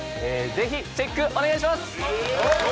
ぜひチェックお願いします！